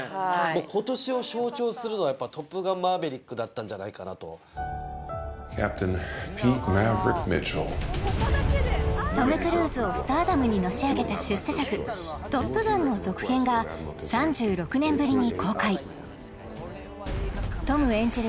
今年を象徴するのはやっぱ「トップガンマーヴェリック」だったんじゃないかなとトム・クルーズをスターダムにのし上げた出世作「トップガン」の続編が３６年ぶりに公開トム演じる